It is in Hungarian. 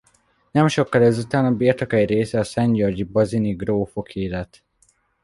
Nem sokkal ezután a birtok egy része a Szentgyörgyi-Bazini grófoké lett.